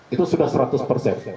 itu sudah seratus persen